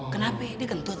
kenapa ini kentut